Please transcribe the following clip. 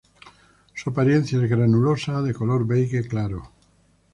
Su apariencia es granulosa, de color beige claro.